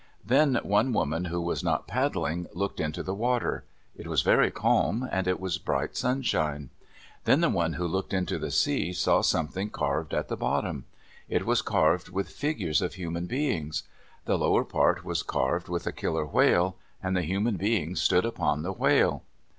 Then one woman who was not paddling looked into the water. It was very calm, and it was bright sunshine. Then the one who looked into the sea saw something carved at the bottom. It was carved with figures of human beings. The lower part was carved with a killer whale, and the human being stood upon the whale.